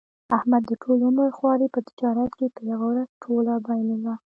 احمد د ټول عمر خواري په تجارت کې په یوه ورځ ټوله بایلوله.